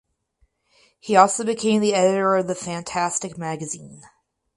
He also became the editor of the "Fantastic" magazine.